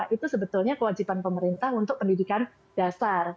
itu sebetulnya kewajiban pemerintah untuk pendidikan dasar